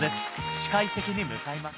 司会席に向かいます。